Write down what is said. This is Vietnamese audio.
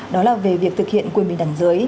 đó là về việc thực hiện quyền bình đẳng giới